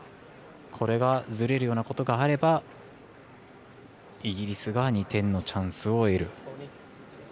これがずれるようなことがあればイギリスが２点のチャンスを得る。